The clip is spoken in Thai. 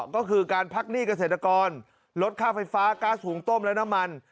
ก็คือการพักหนี้เกษตรกรลดค่าไฟฟ้าก๊าซหุงต้มและน้ำมัน